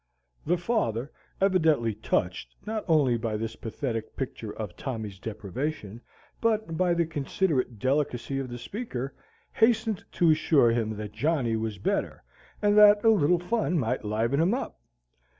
The father, evidently touched not only by this pathetic picture of Johnny's deprivation, but by the considerate delicacy of the speaker, hastened to assure him that Johnny was better and that a "little fun might 'liven him up."